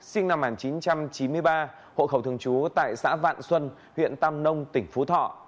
sinh năm một nghìn chín trăm chín mươi ba hộ khẩu thường trú tại xã vạn xuân huyện tam nông tỉnh phú thọ